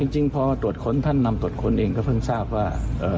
จริงพอตรวจค้นท่านนำตรวจค้นเองก็เพิ่งทราบว่า